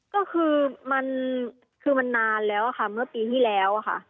ก็คือมันคือมันนานแล้วค่ะเมื่อปีที่แล้วค่ะ